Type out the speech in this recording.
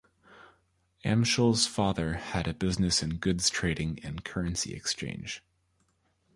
Amschel's father had a business in goods-trading and currency exchange.